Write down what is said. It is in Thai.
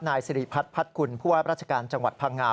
นายสิริพัฒน์พัดกุลผู้ว่าราชการจังหวัดพังงา